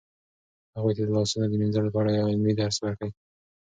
هغوی ته د لاسونو د مینځلو په اړه عملي درس ورکړئ.